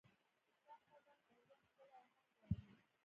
ستا د قدم او ږغ، ښکلې اهنګ غواړي